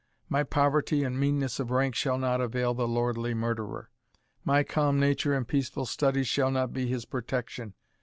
My poverty and meanness of rank shall not avail the lordly murderer. My calm nature and peaceful studies shall not be his protection.